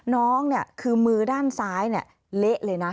น้องคือมือด้านซ้ายเละเลยนะ